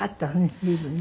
随分ね。